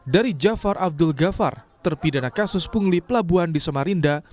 dari jafar abdul ghafar terpidana kasus pungli pelabuhan di samarinda